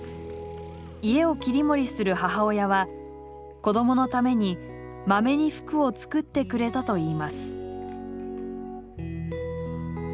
家を切り盛りする母親は子どものためにまめに服を作ってくれたといいます。